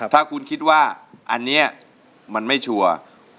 ถ้าคุณคิดว่าอันนี้มันไม่ชัวร์